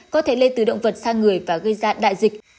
có thể lây từ động vật sang người và gây ra đại dịch